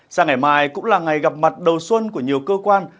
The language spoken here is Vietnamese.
sáng ngày mai cũng là ngày gặp mặt đầu xuân của nhiều cơ quan